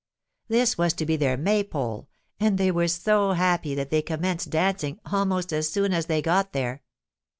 This was to be their May pole, and they were so happy that they commenced dancing almost as soon as they got there.